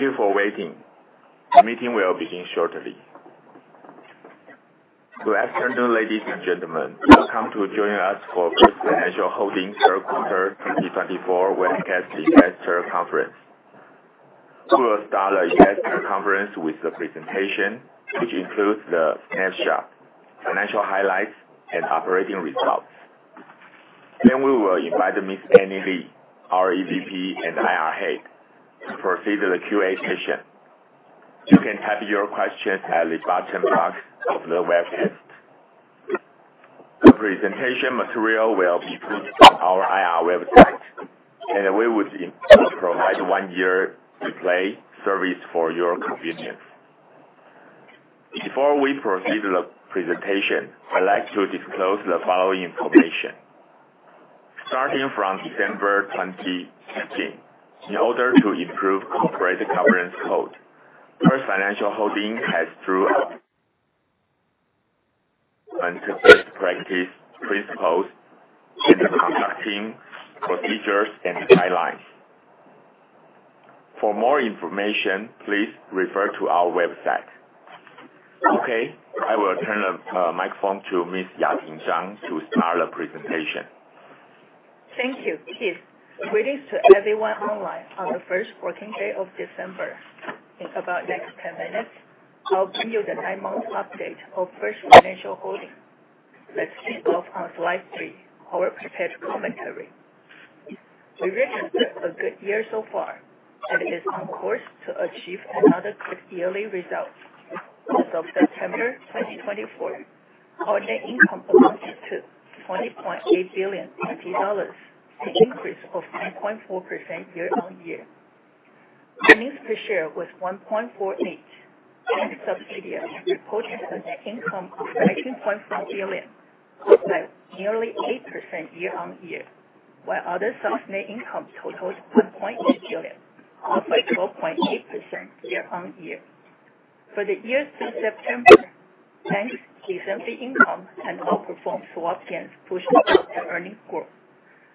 Thank you for waiting. The meeting will begin shortly. Good afternoon, ladies and gentlemen. Welcome to join us for First Financial Holding third quarter 2024 webcast investor conference. We will start the investor conference with the presentation, which includes the snapshot, financial highlights, and operating results. Then we will invite Ms. Annie Lee, our EVP and IR head, to proceed the QA session. You can type your questions at the bottom part of the webcast. The presentation material will be put on our IR website, and we would provide one-year replay service for your convenience. Before we proceed with the presentation, I would like to disclose the following information. Starting from December 2016, in order to improve corporate governance code, First Financial Holding has drew up and best practice principles in the conducting procedures and guidelines. For more information, please refer to our website. Okay, I will turn the microphone to Ms. Yating Chang to start the presentation. Thank you, Keith. Greetings to everyone online on the first working day of December. In about the next 10 minutes, I will bring you the 9-month update of First Financial Holding. Let's kick off on slide three, our prepared commentary. We registered a good year so far and is on course to achieve another good yearly result. As of September 2024, net income amounted to 20.8 billion dollars, an increase of 9.4% year-on-year. Earnings per share was 1.48, and subsidiaries reported a net income of 19.4 billion, up by nearly 8% year-on-year, while other sides net income totaled TWD 1.8 billion, up by 12.8% year-on-year. For the year till September, banks' fee and service income had outperformed swap gains, pushing up the earnings growth.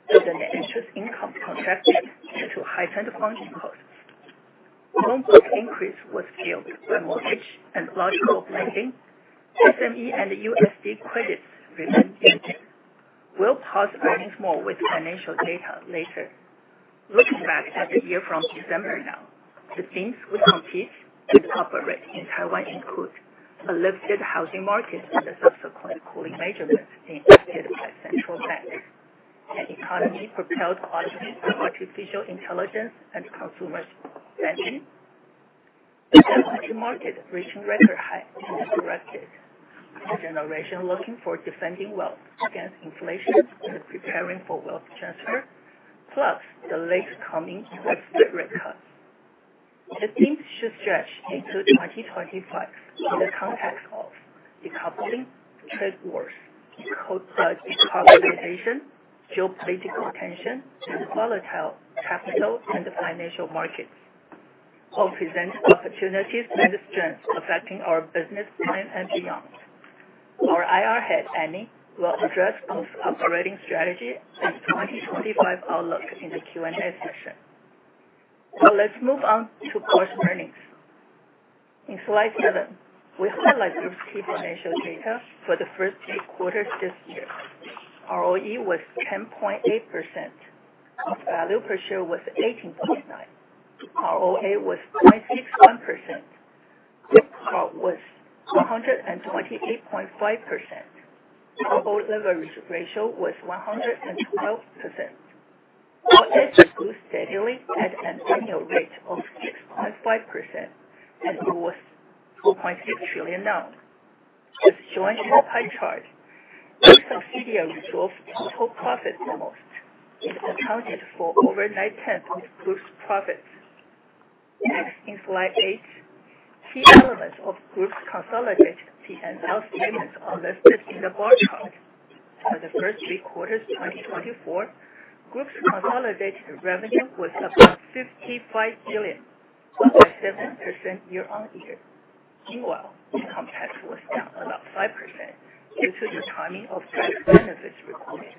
The interest income contracted due to heightened funding costs. Loan book increase was fueled by mortgage and large corporate banking. SME and USD credits remained steady. We will parse earnings more with financial data later. Looking back at the year from December now, the themes we compete and operate in Taiwan include a lifted housing market and the subsequent cooling measurements enacted by Central Bank. An economy propelled by artificial intelligence and consumer spending. The equity market reaching record high is directed to a generation looking for defending wealth against inflation and preparing for wealth transfer. Plus the late coming of rate cuts. The themes should stretch into 2025 in the context of decoupling trade wars, decarbonization, geopolitical tension, and volatile capital and financial markets all present opportunities and strengths affecting our business plan and beyond. Our IR head, Annie, will address both operating strategy and 2025 outlook in the Q&A session. Let's move on to core earnings. In slide seven, we highlight Group's key financial data for the first three quarters this year. ROE was 10.8%. Book value per share was 18.9. ROA was 0.61%. Liquidity coverage ratio was 128.5%. Total leverage ratio was 112%. Total assets grew steadily at an annual rate of 6.5% and grew to 2.6 trillion now. This joint pie chart shows which subsidiary drove total profit the most. It accounted for over 9/10 of Group's profits. Next, in slide eight, key elements of Group's consolidated P&L statements are listed in the bar chart. For the first three quarters 2024, Group's consolidated revenue was about 55 billion, up by 7% year-on-year. Meanwhile, income tax was down about 5% due to the timing of tax benefits recorded.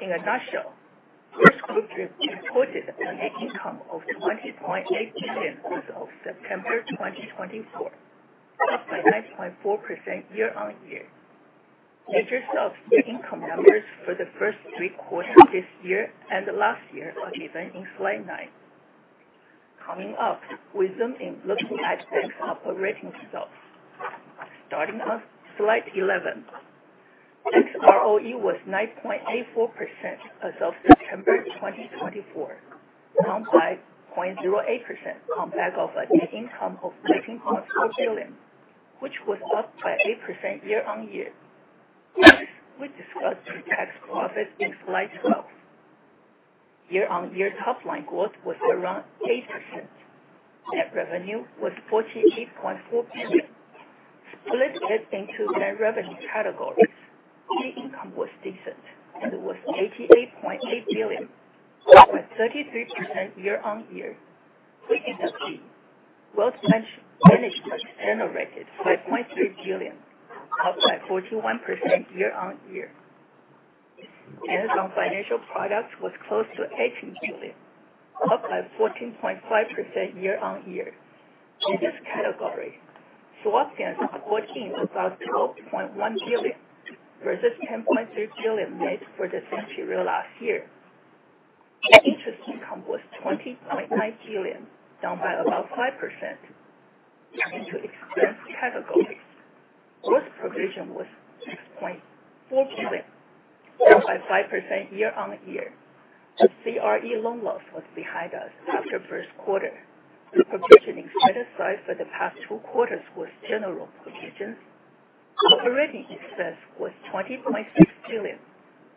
In a nutshell, First Group reported a net income of 20.8 billion as of September 2024, up by 9.4% year-on-year. Details of net income numbers for the first three quarters this year and last year are given in slide nine. Coming up, we zoom in looking at bank operating results. Starting on slide 11. Bank's ROE was 9.84% as of September 2024, down by 0.08% on back of a net income of 19.4 billion, which was up by 8% year-on-year. We discuss pre-tax profits in slide 12. Year-on-year top-line growth was around 8%. Net revenue was 48.4 billion. Split into net revenue categories, fee income was decent, and it was 88.8 billion, up by 33% year-on-year. Within that fee, wealth management generated TWD 5.3 billion, up by 41% year-on-year. Hands-on financial products was close to 18 billion, up by 14.5% year-on-year. In this category, swap gains of 14 about 12.1 billion versus 10.3 billion made for the same period last year. Interest income was 20.9 billion, down by about 5%. Turning to expense categories, gross provision was 6.4 billion, down by 5% year-on-year. The CRE loan loss was behind us after first quarter. The provisioning set aside for the past two quarters was general provisions. Operating expense was 20.6 billion,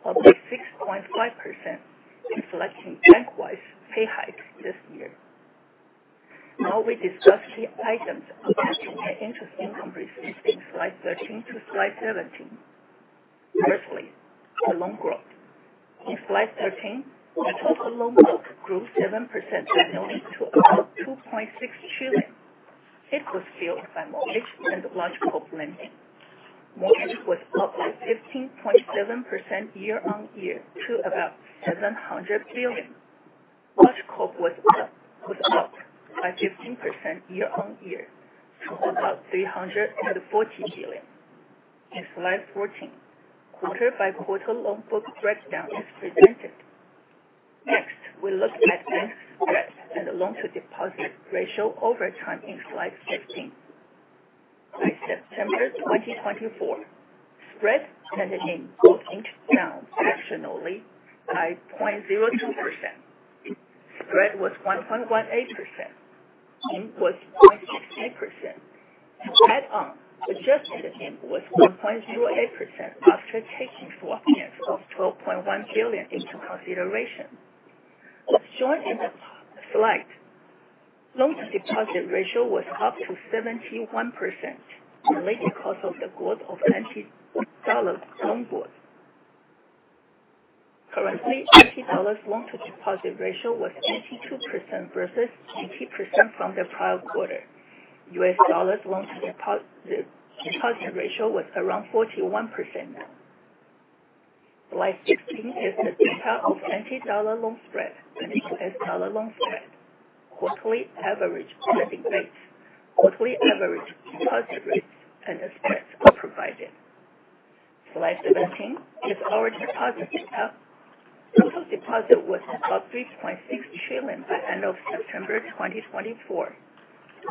up by 6.5%, reflecting bank-wide pay hikes this year. Now we discuss key items affecting the interest income release in slide 13 to slide 17. Firstly, the loan growth. In slide 13, the total loan book grew 7% annually to about 2.6 trillion. It was fueled by mortgage and large corp lending. Mortgage was up by 15.7% year-on-year to about 700 billion. Large corp was up by 15% year-on-year to about 340 billion. In slide 14, quarter-by-quarter loan book breakdown is presented. Next, we look at net spread and loan-to-deposit ratio over time in slide 15. By September 2024, spread and NIM both inch down seasonally by 0.02%. Spread was 1.18%, NIM was 0.68%, and add-on adjusted NIM was 1.08% after taking swap gains of 12.1 billion into consideration. As shown in the slide, loan-to-deposit ratio was up to 71%, mainly because of the growth of NT dollar loan book. Currently, NT dollars loan-to-deposit ratio was 82% versus 80% from the prior quarter. U.S. dollars loan-to-deposit ratio was around 41% now. Slide 16 is the data of NT dollar loan spread and U.S. dollar loan spread. Quarterly average lending rates, quarterly average deposit rates and spreads are provided. Slide 17 is our deposit pickup. Total deposit was about 3.6 trillion by end of September 2024,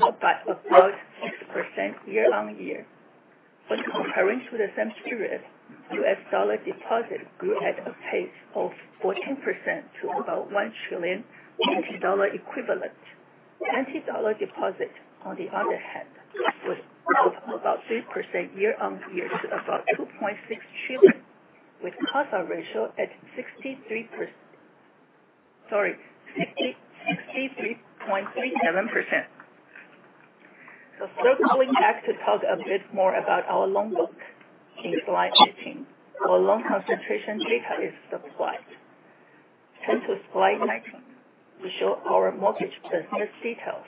up by about 6% year-on-year. Comparing to the same period, USD deposit grew at a pace of 14% to about 1 trillion dollar equivalent. TWD deposit, on the other hand, was up about 3% year-on-year to about 2.6 trillion, with CASA ratio at 63.37%. Circling back to talk a bit more about our loan book, in slide 18, our loan concentration data is supplied. Turn to slide 19 to show our mortgage business details.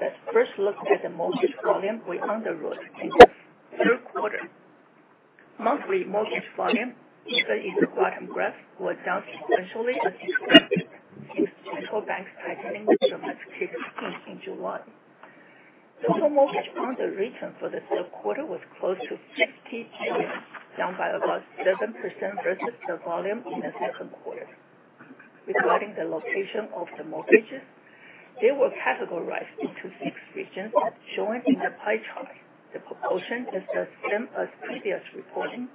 Let's first look at the mortgage volume we underwrote in the third quarter. Monthly mortgage volume shown in the bottom graph was down sequentially since the Central Bank's tightening measurements kicked in in July. Total mortgage underwritten for the third quarter was close to 60 trillion, down by about 7% versus the volume in the second quarter. Regarding the location of the mortgages, they were categorized into six regions, as shown in the pie chart. The proportion is the same as previous reporting.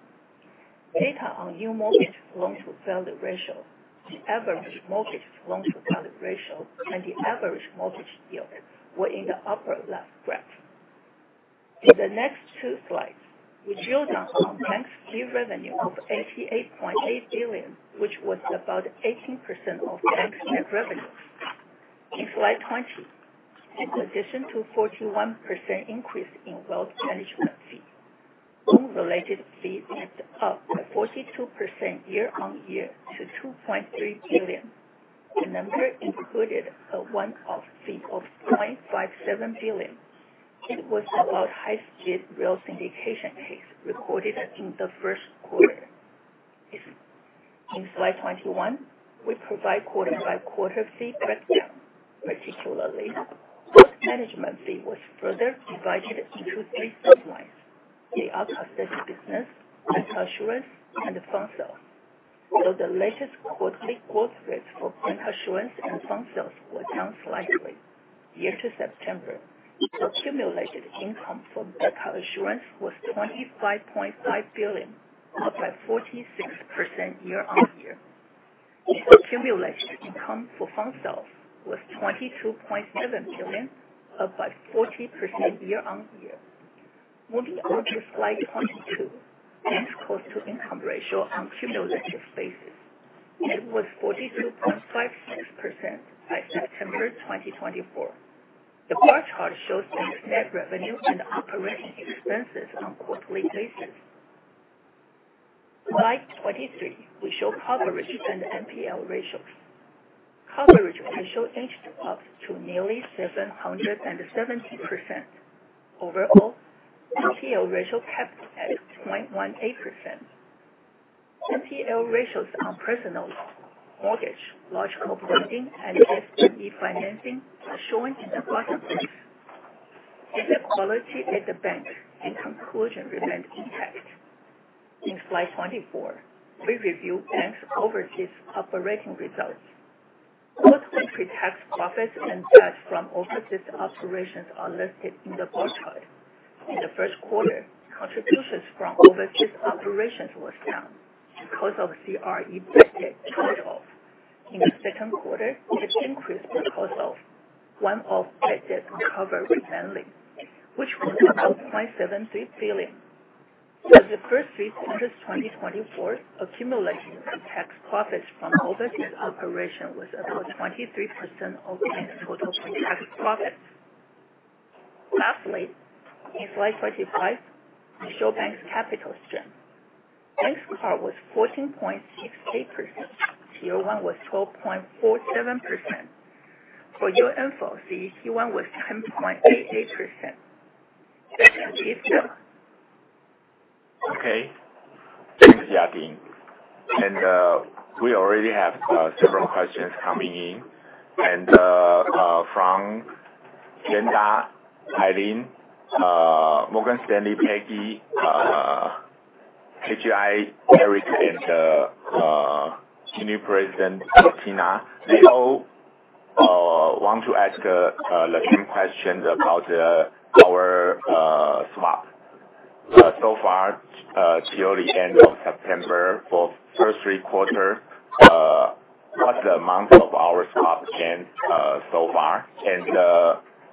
Data on new mortgage loan to value ratio, the average mortgage loan to value ratio, and the average mortgage yield were in the upper left graph. In the next two slides, we drill down on bank's fee revenue of 88.8 billion, which was about 18% of bank's net revenues. In slide 20, in addition to 41% increase in wealth management fee, loan related fees ended up by 42% year-on-year to 2.3 billion. The number included a one-off fee of 2.57 billion. It was about High Speed Rail syndication fees recorded in the first quarter. In slide 21, we provide quarter-by-quarter fee breakdown. Particularly, wealth management fee was further divided into three sublines. The asset business, asset assurance, and fund sale. The latest quarterly growth rates for asset assurance and fund sales were down slightly. Year to September, the accumulated income for asset assurance was 25.5 billion, up by 46% year-on-year. The accumulated income for fund sales was 22.7 billion, up by 40% year-on-year. Moving on to slide 22, bank's Cost-to-Income Ratio on cumulative basis. It was 42.56% by September 2024. The bar chart shows bank's net revenues and operating expenses on quarterly basis. Slide 23, we show coverage and NPL ratios. Coverage ratio inched up to nearly 770%. Overall, NPL ratio kept at 0.18%. NPL ratios on personal mortgage, large corporate lending, and SME financing are shown in the bottom left. Asset quality at the bank in conclusion remained intact. In slide 24, we review bank's overseas operating results. Post-tax profits and debt from overseas operations are listed in the bar chart. In the first quarter, contributions from overseas operations were down because of CRE credit trade-off. In the second quarter, it increased because of one-off credit recovery mainly, which was about 73 billion. For the first three quarters 2024, accumulation of tax profits from overseas operation was about 23% of bank's total tax profits. Lastly, in slide 25, we show bank's capital strength. Bank's CAR was 14.68%. Tier 1 was 12.47%. For your info, CET1 was 10.88%. That's it. Okay. Thanks, Ya Ding. We already have several questions coming in. From Yuanta, Eileen, Morgan Stanley, Peggy, KGI, Eric, and Senior President Tina, they all want to ask the same questions about our swap. So far, till the end of September, for first three quarter, what's the amount of our swap gain so far?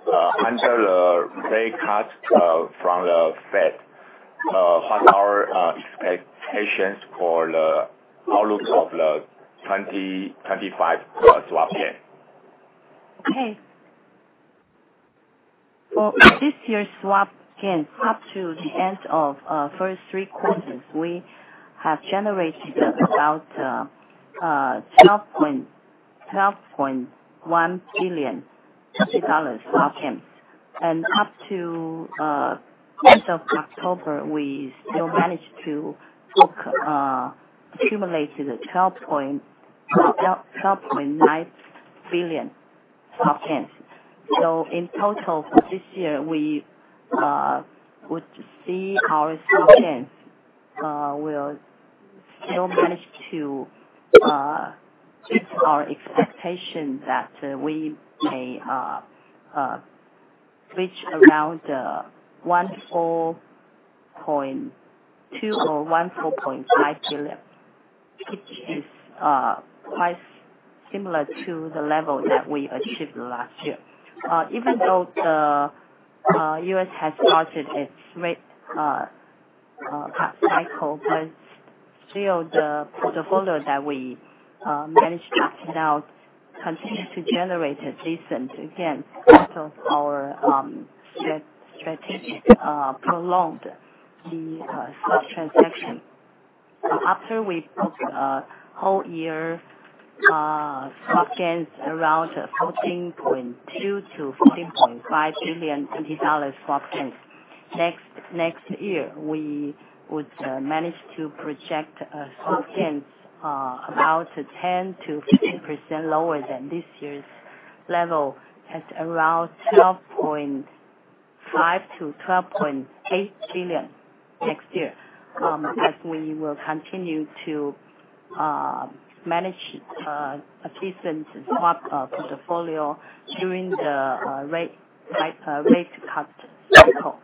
Under the rate cut from the Fed, what are expectations for the outlook of the 2025 swap gain? Okay. For this year's swap gains, up to the end of first three quarters, we have generated about TWD 12.1 billion swap gains. Up to end of October, we still managed to book accumulated TWD 12.9 billion swap gains. In total, for this year, we would see our swap gains will still manage to meet our expectation that we may reach around 14.2 billion or 14.5 billion, which is quite similar to the level that we achieved last year. Even though the U.S. has started its rate cut cycle, still the portfolio that we managed to put out continues to generate a decent gain because of our strategic prolonged the swap transaction. After we book whole year swap gains around 14.2 billion to 14.5 billion dollars swap gains. Next year, we would manage to project a swap gains about 10%-15% lower than this year's level, at around 12.5 billion to 12.8 billion next year, as we will continue to manage a decent swap portfolio during the rate cut cycle.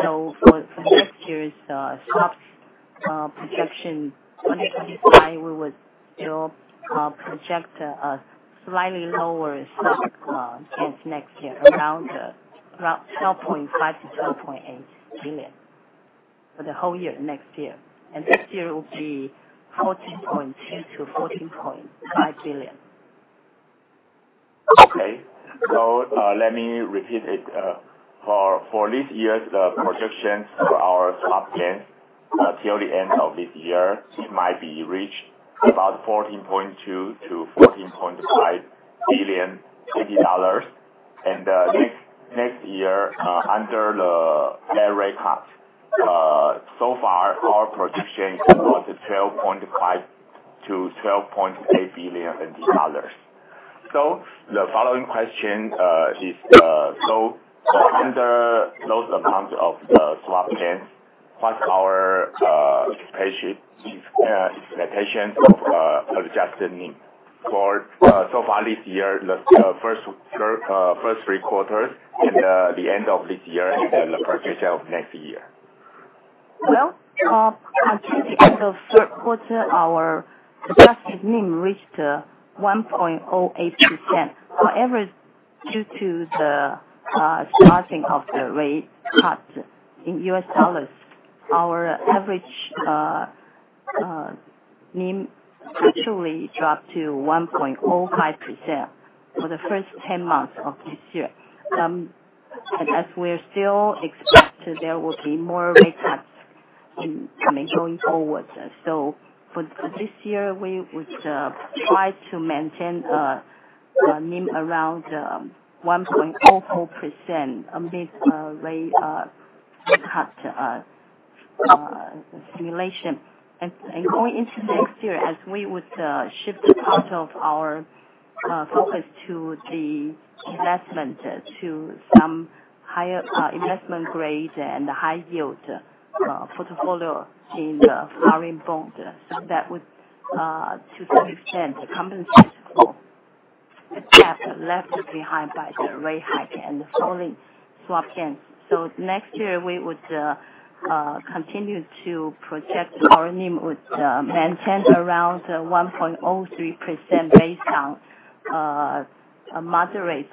For next year's swap projection 2025, we would still project a slightly lower swap gains next year, around 12.5 billion to 12.8 billion for the whole year next year. This year will be 14.2 billion to 14.5 billion. Okay. Let me repeat it. For this year's projections for our swap gains, till the end of this year, it might be reached about 14.2 billion to 14.5 billion dollars. Next year, under the Fed rate cut, so far, our projection is about 12.5 billion to 12.8 billion NT dollars. The following question is, under those amounts of swap gains, what's our expectation of adjusted NIM for so far this year, the first three quarters and the end of this year and then the projection of next year? Until the end of third quarter, our adjusted NIM reached 1.08%. However, due to the starting of the rate cut in USD, our average NIM actually dropped to 1.05% for the first 10 months of this year. As we still expect there will be more rate cuts Going forward. For this year, we would try to maintain a NIM around 1.04% amid rate cut simulation. Going into next year, as we would shift part of our focus to the investment to some higher investment grade and high yield portfolio in the foreign bond. That would, to some extent, compensate for the gap left behind by the rate hike and the falling swap gains. Next year we would continue to project our NIM would maintain around 1.03% based on a moderate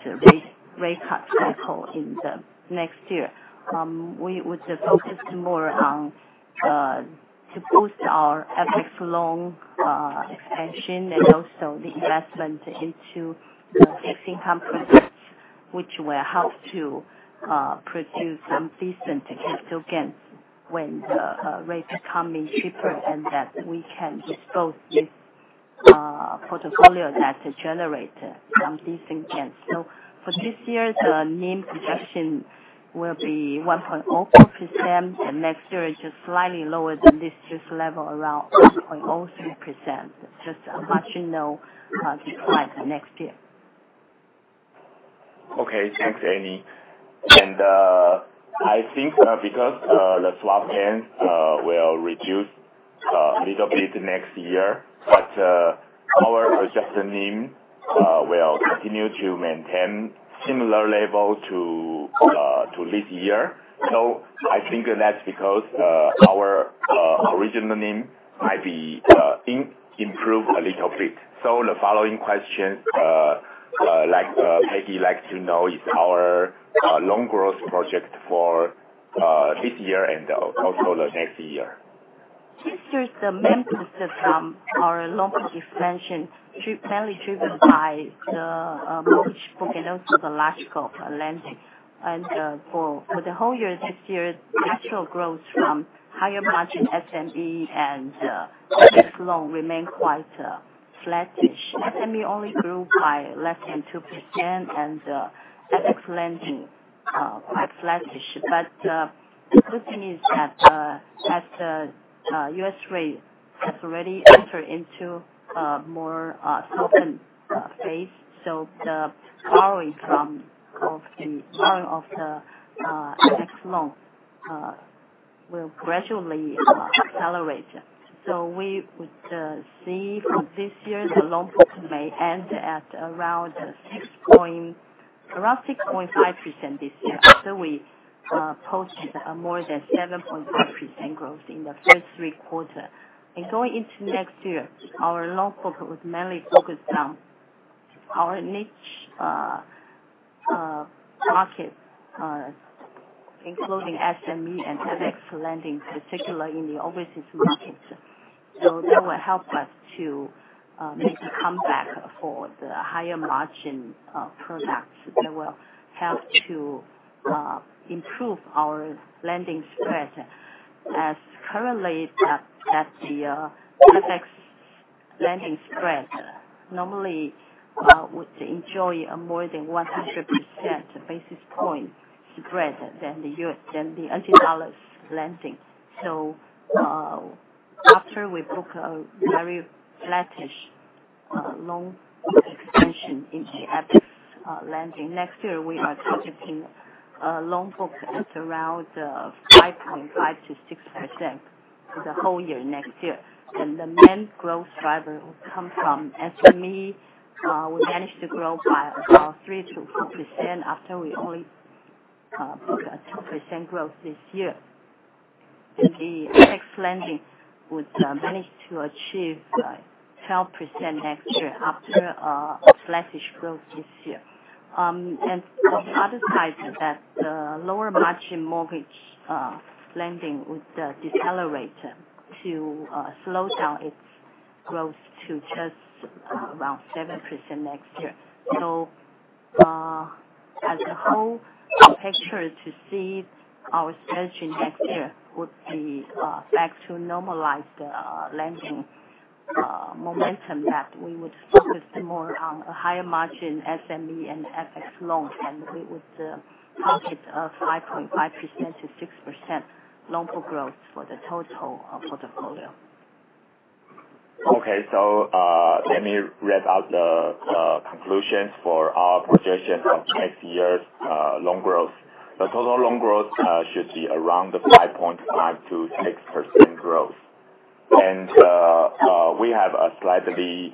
rate cut cycle in the next year. We would focus more on to boost our FX loan expansion and also the investment into fixed income products, which will help to produce some decent capital gains when the rates are coming cheaper and that we can dispose this portfolio that generate some decent gains. For this year, the NIM projection will be 1.04%, and next year is just slightly lower than this year's level, around 1.03%, just a marginal decline next year. Okay. Thanks, Annie. I think because the swap gains will reduce a little bit next year, but our adjusted NIM will continue to maintain similar level to this year. I think that's because our original NIM might be improved a little bit. The following question, Peggy likes to know is our loan growth project for this year and also the next year. This year, the main focus from our loan book expansion, mainly driven by the mortgage book and also the large co lending. For the whole year, this year, natural growth from higher margin SME and FX loan remain quite flattish. SME only grew by less than 2% and the FX lending quite flattish. The good thing is that as U.S. rate has already entered into a more softened phase, the borrowing of the FX loan will gradually accelerate. We would see for this year, the loan book may end at around 6.5% this year after we posted more than 7.5% growth in the first three quarter. Going into next year, our loan book was mainly focused on our niche markets, including SME and FX lending, particularly in the overseas markets. That will help us to make a comeback for the higher margin products that will help to improve our lending spread. As currently, the FX lending spread normally would enjoy more than 100% basis point spread than the $ lending. After we book a very flattish loan book expansion in the FX lending, next year, we are targeting a loan book at around 5.5%-6% for the whole year next year. The main growth driver will come from SME. We managed to grow by about 3%-4% after we only book a 2% growth this year. The FX lending would manage to achieve 12% next year after a flattish growth this year. On the other side, that the lower margin mortgage lending would decelerate to slow down its growth to just around 7% next year. As a whole picture to see our strategy next year would be back to normalized lending momentum that we would focus more on a higher margin SME and FX loan, we would target a 5.5%-6% loan book growth for the total portfolio. Okay. Let me read out the conclusions for our projection of next year's loan growth. The total loan growth should be around the 5.5%-6% growth. We have slightly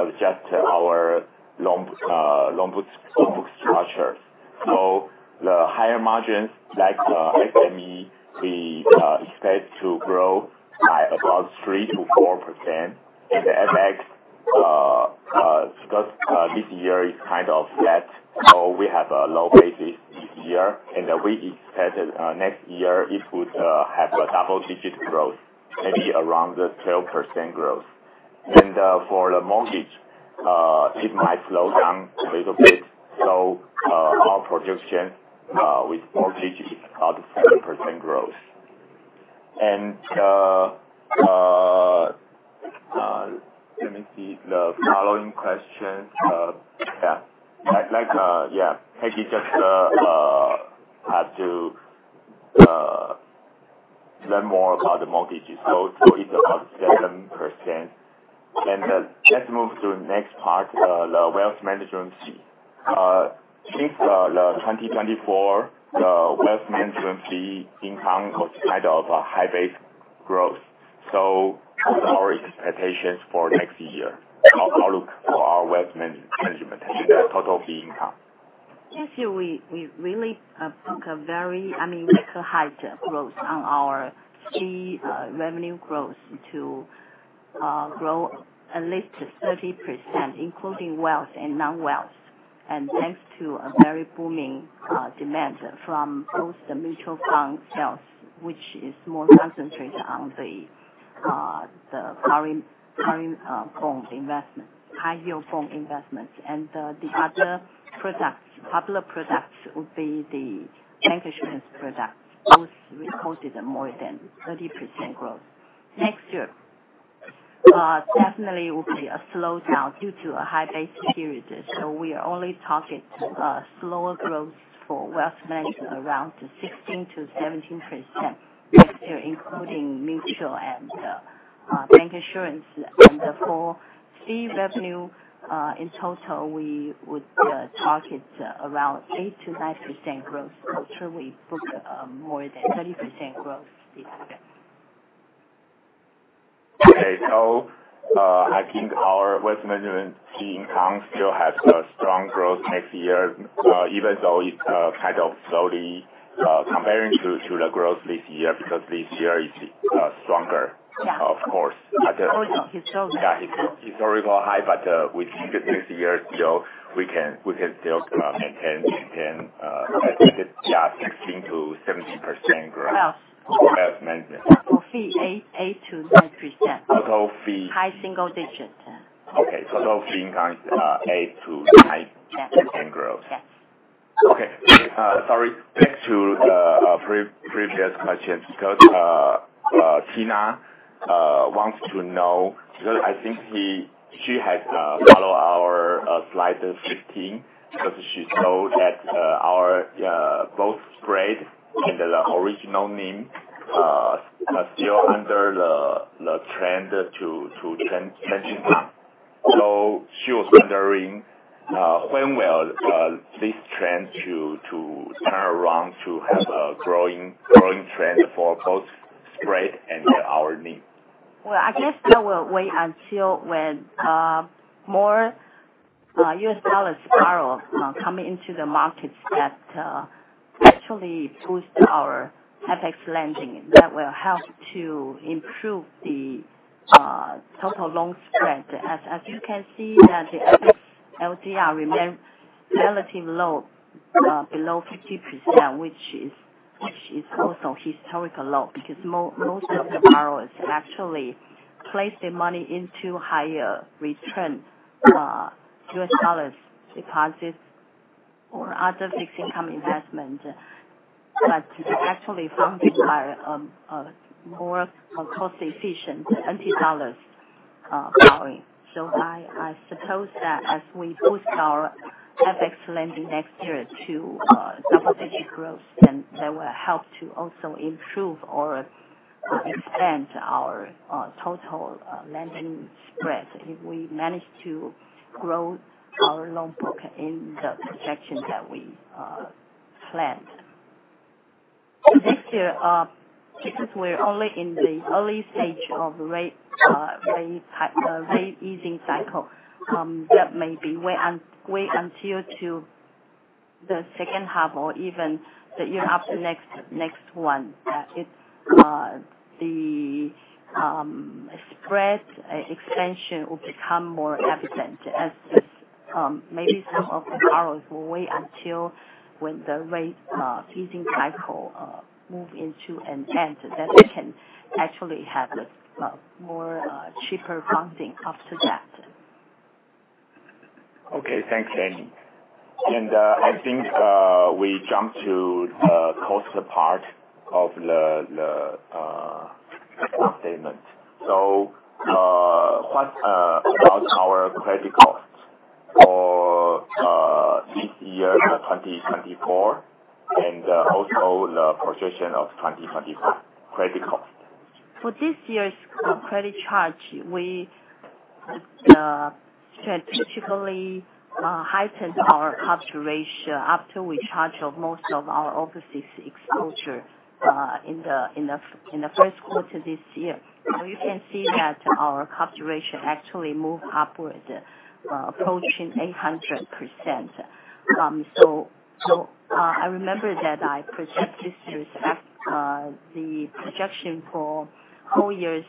adjusted our loan book structures. The higher margins like SME, we expect to grow by about 3%-4%. The FX, because this year is kind of flat, we have a low basis this year, we expected next year it would have a double-digit growth, maybe around the 12% growth. For the mortgage, it might slow down a little bit. Our production with mortgages is about 4% growth. Let me see the following questions. Yeah. Peggy just had to learn more about the mortgages. It's about 7%. Let's move to the next part, the wealth management fee. Since 2024, the wealth management fee income was kind of a high base growth. What are our expectations for next year? Outlook for our wealth management and the total fee income. Yes, we really took a high growth on our fee revenue growth to grow at least 30%, including wealth and non-wealth. Thanks to a very booming demand from both the mutual fund sales, which is more concentrated on the foreign bond investment, high yield bond investments, and the other popular products would be the bank insurance products, which we posted more than 30% growth. Next year, definitely will be a slowdown due to a high base period. We are only targeting slower growth for wealth management around 16%-17%, including mutual and bank insurance. For fee revenue, in total, we would target around 8%-9% growth after we book more than 30% growth this year. Okay. I think our wealth management fee income still has a strong growth next year, even though it's kind of slowly comparing to the growth this year, because this year is stronger. Yeah. Of course. Historical low. Yeah. Historical high, we think that next year still we can still maintain, I think it's, yeah, 16%-17% growth. Wealth. Wealth management. For fee, 8%-9%. Total fee. High single digits. Okay. Total fee income is 8%-9% growth. Yes. Okay. Sorry. Because Tina wants to know, because I think she has followed our slide 15, because she saw that our both spread and the original NIM are still under the trend to tension up. She was wondering, when will this trend to turn around to have a growing trend for both spread and our NIM? Well, I guess that will wait until when more US dollars borrowers come into the markets that actually boost our FX lending. That will help to improve the total loan spread. As you can see that the LDR remains relatively low, below 50%, which is also historical low, because most of the borrowers actually place their money into higher return US dollars deposits or other fixed income investment. Actually funding are more cost efficient than USD borrowing. I suppose that as we boost our FX lending next year to double-digit growth, then that will help to also improve or expand our total lending spread if we manage to grow our loan book in the projection that we planned. Next year, because we're only in the early stage of rate easing cycle, that may be wait until to the second half of or even the year after next one. The spread extension will become more evident as maybe some of the borrowers will wait until when the rate easing cycle move into an end, then they can actually have a more cheaper funding after that. Okay. Thanks, Annie. I think we jump to the cost part of the statement. What about our credit costs for this year, 2024, and also the projection of 2025 credit cost? For this year's credit charge, we strategically heightened our coverage ratio after we charged off most of our overseas exposure in the first quarter this year. You can see that our coverage ratio actually moved upward, approaching 800%. I remember that I projected this year that the projection for whole year's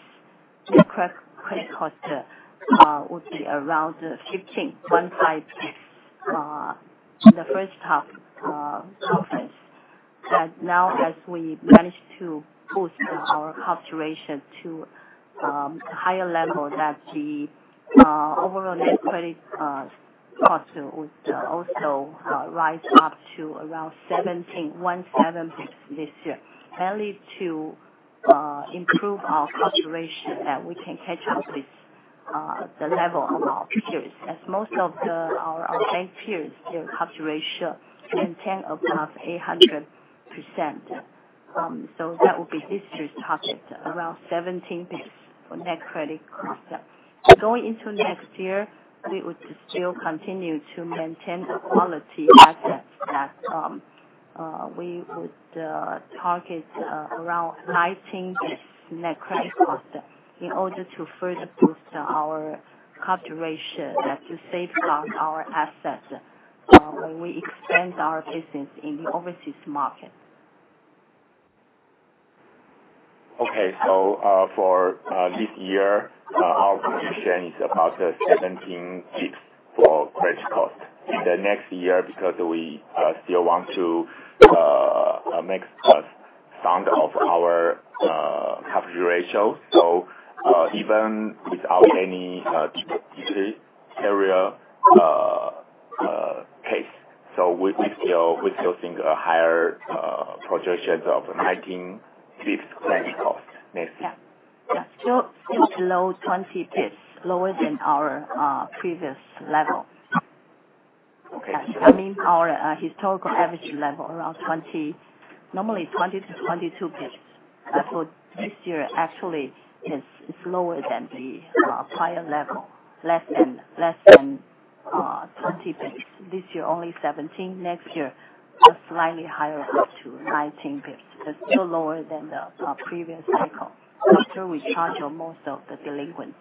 credit cost would be around 15. In the first half conference, that now as we manage to boost our coverage ratio to a higher level, that the overall net credit cost will also rise up to around 17 this year, mainly to improve our coverage ratio, that we can catch up with the level of our peers. As most of our bank peers, their coverage ratio maintain above 800%. That will be this year's target, around 17 basis points for net credit cost. Going into next year, we would still continue to maintain the quality assets that we would target around 19 basis points net credit cost in order to further boost our coverage ratio and to safeguard our assets when we expand our business in the overseas market. Okay. For this year, our projection is about 17 basis points for credit cost. In the next year, because we still want to make sound of our coverage ratio, so even without any deteriorator case. We still think a higher projection of 19 basis points credit cost next year. Yeah. Still below 20 basis points, lower than our previous level. Okay. Yes. I mean, our historical average level, around 20, normally 20 to 22 basis points. This year actually is lower than the prior level, less than 20 basis points. This year, only 17. Next year, a slightly higher up to 19 basis points. That's still lower than the previous cycle, after we charge off most of the delinquent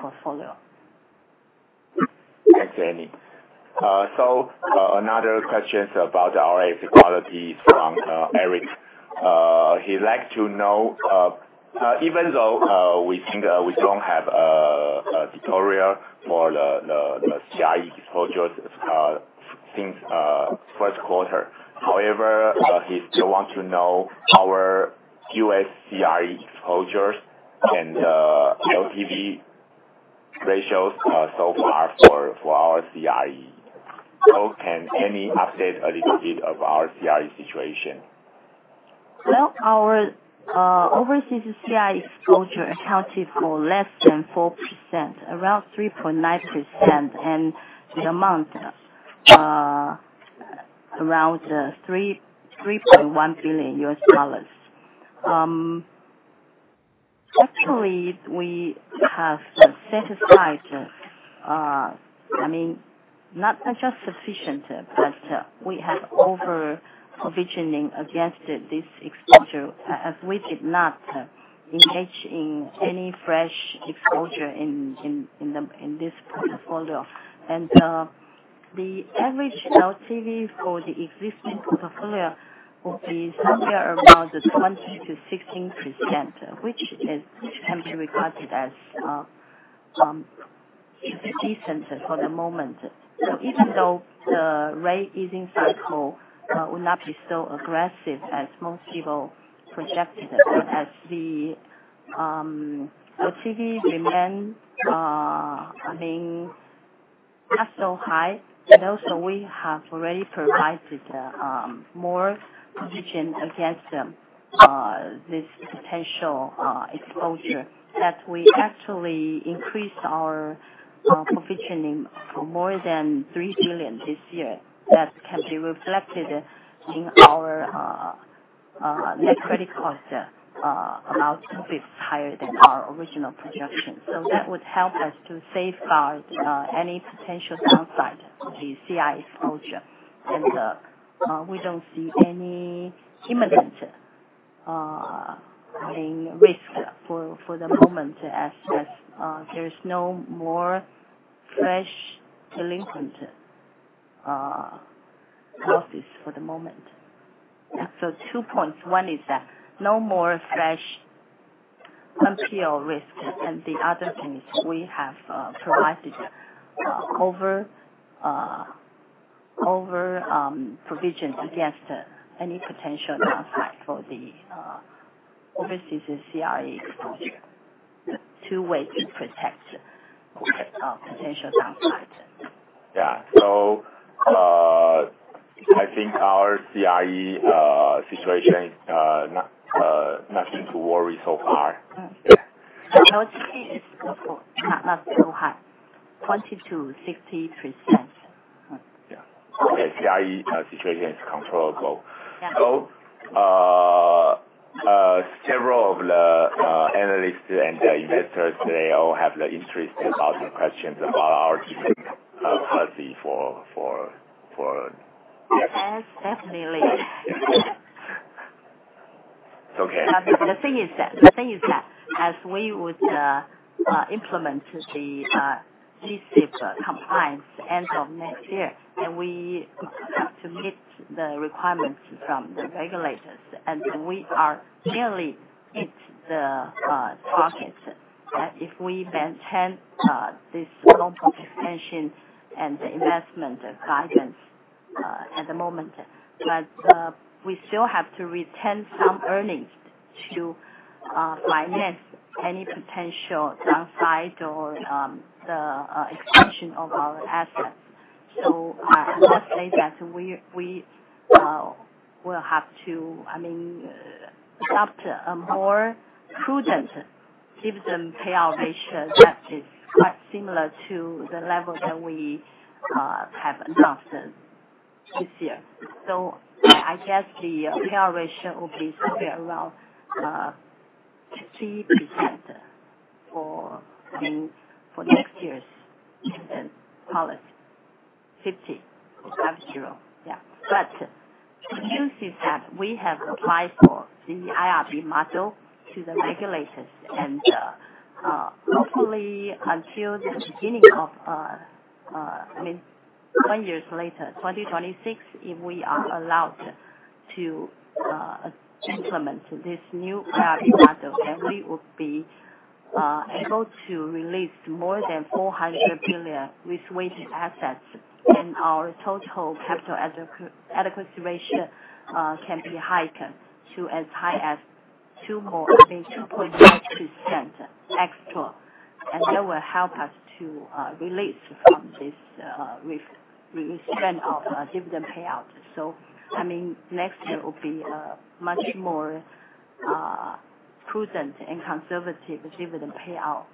portfolio. Thanks, Annie. Another question about our asset quality from Eric. He'd like to know, even though we think we don't have a deteriorator for the CRE exposures since first quarter. He still wants to know our U.S. CRE exposures and the LTV ratios so far for our CRE. Can Annie update a little bit of our CRE situation? Our overseas CRE exposure accounted for less than 4%, around 3.9%, and the amount, around $3.1 billion. Actually, we have set aside, not just sufficient, but we have over-provisioning against this exposure, as we did not engage in any fresh exposure in this portfolio. The average LTV for the existing portfolio will be somewhere around 20%-16%, which can be regarded as decent for the moment. Even though the rate easing cycle will not be so aggressive as most people projected, as the LTV remain not so high. Also, we have already provided more provision against this potential exposure, that we actually increased our provision by more than $3 billion this year. That can be reflected in our net credit cost, about two basis points higher than our original projection. That would help us to safeguard any potential downside of the CRE exposure. We don't see any imminent risk for the moment, as there is no more fresh delinquent losses for the moment. Two points. One is that no more fresh NPL risk. The other thing is we have provided over-provision against any potential downside for the overseas CRE exposure. Two ways to protect potential downside. I think our CRE situation is nothing to worry so far. LTV is not so high. 20%-60%. Yeah. Okay. CRE situation is controllable. Yeah. Several of the analysts and investors today all have the interest about the questions about our different policy for- Yes, definitely. It's okay. The thing is that as we would implement the G-SIIs compliance end of next year, we have to meet the requirements from the regulators, and we are nearly hit the target. If we maintain this loan book expansion and the investment guidance at the moment. we still have to retain some earnings to finance any potential downside or the expansion of our assets. I must say that we'll have to adopt a more prudent dividend payout ratio that is quite similar to the level that we have adopted this year. I guess the payout ratio will be somewhere around 3% for next year's dividend policy. 50, with have zero, yeah. The good news is that we have applied for the IRB model to the regulators and, hopefully, until the beginning of 1 year later, 2026, if we are allowed to implement this new IRB model, we would be able to release more than 400 billion risk-weighted assets. Our total capital adequacy ratio can be heightened to as high as 2.1% extra. That will help us to release from this risk-weighted spend of dividend payout. Next year will be much more prudent and conservative dividend payout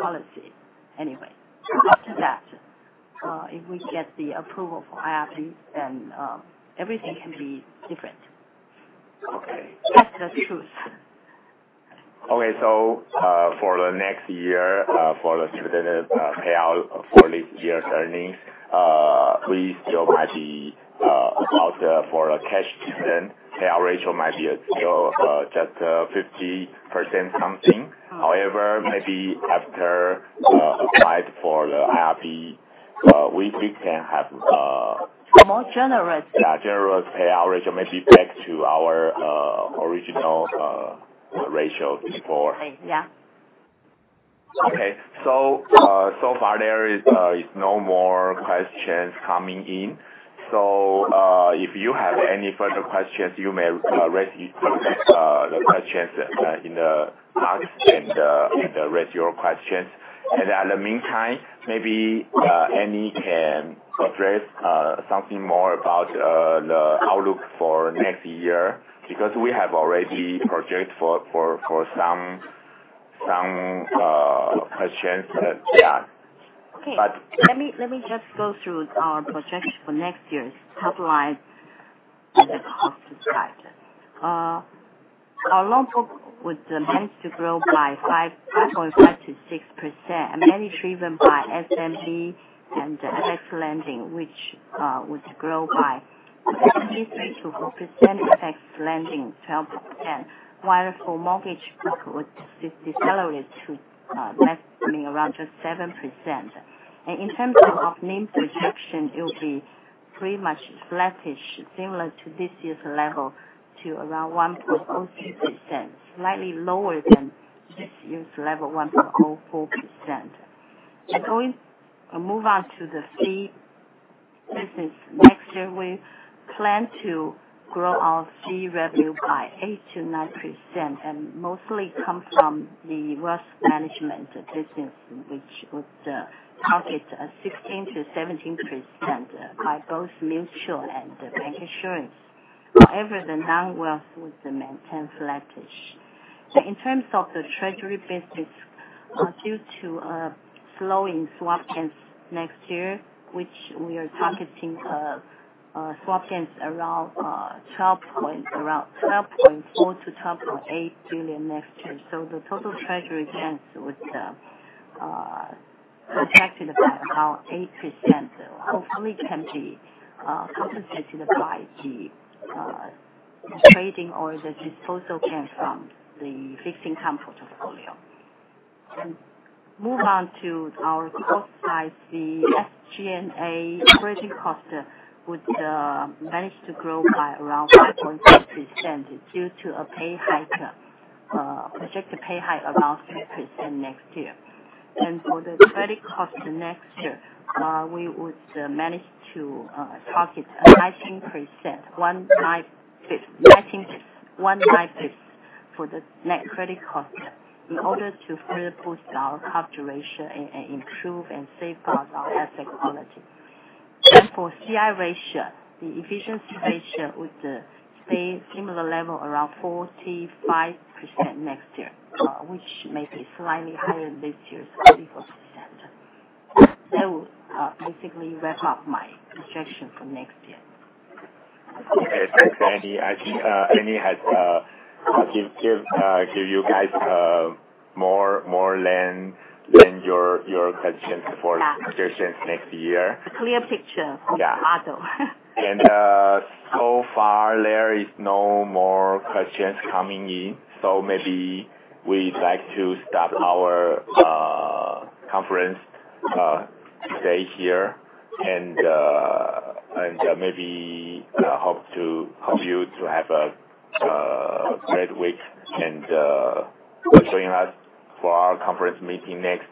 policy anyway. After that, if we get the approval for IRB, everything can be different. Okay. That's the truth. Okay. For the next year, for the dividend payout for this year's earnings, we still might be out for a cash dividend. Payout ratio might be still just 50% something. However, maybe after we applied for the IRB, we can have a more generous generous payout ratio, maybe back to our original ratio before. Yeah. Okay. So far there is no more questions coming in. If you have any further questions, you may raise the questions in the ask and raise your questions. In the meantime, maybe Annie can address something more about the outlook for next year, because we have already projected for some questions. Okay. But- Let me just go through our projection for next year's top line and the cost side. Our loan book would manage to grow by 5.5%-6%, mainly driven by SME and FX lending, which would grow by 73% FX lending, 12%, while for mortgage book would decelerate to less, around just 7%. In terms of NIM projection, it will be pretty much flattish, similar to this year's level to around 1.03%, slightly lower than this year's level, 1.04%. Move on to the fee business. Next year, we plan to grow our fee revenue by 8%-9%, and mostly come from the wealth management business, which would target a 16%-17% by both mutual and bank insurance. However, the non-wealth would remain 10% flattish. In terms of the treasury business, due to a slowing swap gains next year, which we are targeting swap gains around 12.4 billion-12.8 billion next year. The total treasury gains would contract about 8%, hopefully can be compensated by the trading or the disposal gain from the fixed income portfolio. Move on to our cost side. The SG&A operating cost would manage to grow by around 5.8% due to a pay hike, projected pay hike about 6% next year. For the credit cost next year, we would manage to target 19 basis points for the net credit cost in order to further boost our coverage ratio and improve and safeguard our asset quality. For Cost-to-Income Ratio, the efficiency ratio would stay similar level, around 45% next year, which may be slightly higher than this year's 44%. That would basically wrap up my projection for next year. Okay. Thanks, Annie. I think Annie has give you guys more than your questions for projections next year. A clear picture. Yeah of the model. So far there is no more questions coming in. Maybe we'd like to stop our conference today here and, maybe hope you to have a great week and join us for our conference meeting next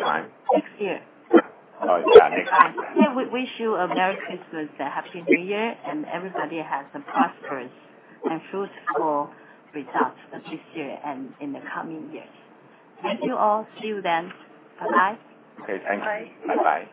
time. Next year. Oh yeah, next time. Yeah. We wish you a merry Christmas and happy New Year, and everybody has a prosperous and fruitful results this year and in the coming years. Thank you all. See you then. Bye bye. Okay, thank you. Bye bye.